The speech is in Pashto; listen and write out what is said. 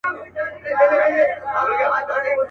یو مُلا وو یوه ورځ سیند ته لوېدلی.